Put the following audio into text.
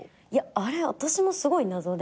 あれ私もすごい謎で。